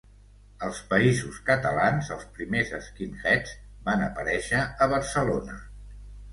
Als Països Catalans, els primers skinheads van aparèixer a Barcelona.